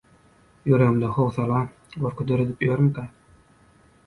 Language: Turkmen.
ýüregimde howsala, gorky döredip ýörmükä?